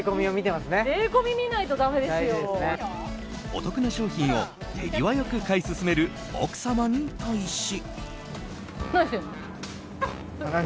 お得な商品を手際良く買い進める奥様に対し。